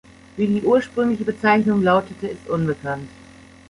Wie die ursprüngliche Bezeichnung lautete, ist unbekannt.